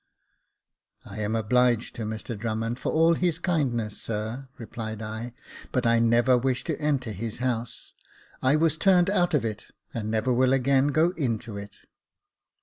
I am obliged to Mr Drummond for all his kindness, sir," replied I ;but I never wish to enter his house. I was turned out of it, and never will again go into it."